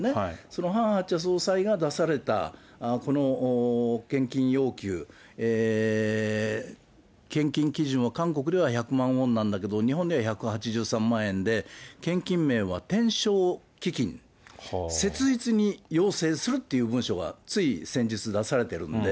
そのハン・ハクチャ総裁が出されたこの献金要求、献金基準は韓国では１００万ウォンなんだけれども、日本では１８３万円で、献金名はてんしょう基金、切実に要請するっていう文書が、つい先日出されてるんで。